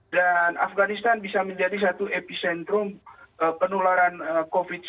dan afganistan bisa menjadi satu epicentrum penularan covid sembilan belas